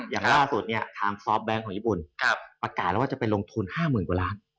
อย่างล่าสุดเนี่ยทางซอฟต์แบงค์ของญี่ปุ่นประกาศแล้วว่าจะไปลงทุน๕๐๐๐กว่าล้าน